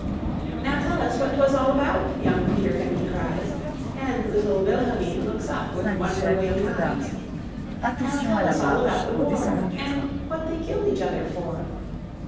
"Now tell us what 'twas all about," Young Peterkin he cries; And little Wilhelmine looks up With wonder waiting eyes; "Now tell us all about the war, And what they killed each other for."